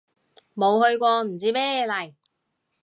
冇去過唔知咩嚟